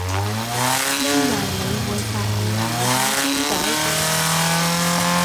因為你會發現我已經改變